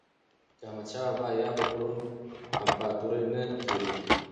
که احمد شاه بابا یاد کړو نو امپراتوري نه هیریږي.